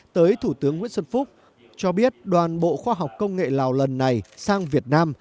tới thủ tướng nguyễn xuân phúc cho biết đoàn bộ khoa học công nghệ lào lần này sang việt nam